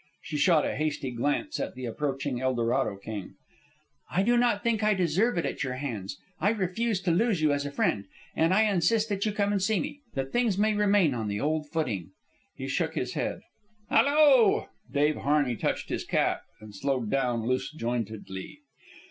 She shot a hasty glance at the approaching Eldorado king. "I do not think I deserve it at your hands. I refuse to lose you as a friend. And I insist that you come and see me, that things remain on the old footing." He shook his head. "Hello!" Dave Harney touched his cap and slowed down loose jointedly.